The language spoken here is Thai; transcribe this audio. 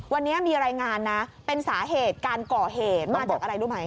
วันนี้มีรายงานนะเป็นสาเหตุการก่อเหตุมาจากอะไรรู้ไหม